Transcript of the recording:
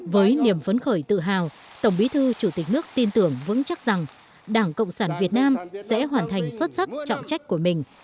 với niềm phấn khởi tự hào tổng bí thư chủ tịch nước tin tưởng vững chắc rằng đảng cộng sản việt nam sẽ hoàn thành xuất sắc trọng trách của mình